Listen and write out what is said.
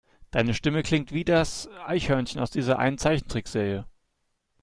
Deine Stimme klingt wie das Eichhörnchen aus dieser einen Zeichentrickserie.